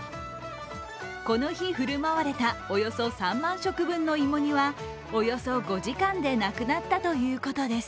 この日振る舞われた、およそ３万食分の芋煮は、およそ５時間でなくなったということです。